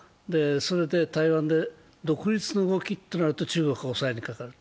台湾で独立の動きとなると中国が押さえにかかると。